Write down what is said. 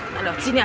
nah liat sini aja